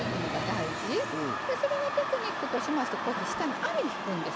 でそれのテクニックとしましてこうやって下に網ひくんですよ。